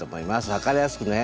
分かりやすくね。